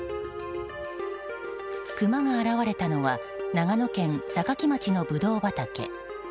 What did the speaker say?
クマが現れたのは長野県坂城町のブドウ畑。